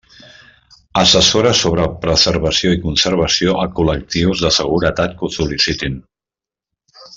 Assessora sobre preservació i conservació a col·lectius de seguretat que ho sol·licitin.